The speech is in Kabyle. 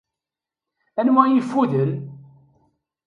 Anwa i ifuden?